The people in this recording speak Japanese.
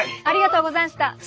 ありがとうござんした。